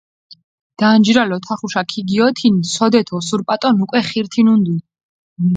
დანჯირალ ოთახუშა ქიგიოთინჷ, სოდეთ ოსურპატონ უკვე ხირთინუნდუნ.